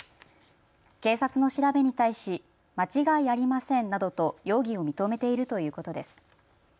警察の調べに対し間違いありませんなどと容疑を認めているということです。